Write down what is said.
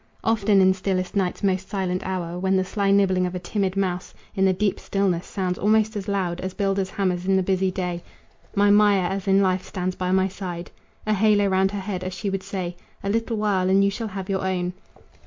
Often in stillest night's most silent hour, When the sly nibbling of a timid mouse In the deep stillness sounds almost as loud As builders' hammers in the busy day, My Maya as in life stands by my side. A halo round her head, as she would say: 'A little while, and you shall have your own.'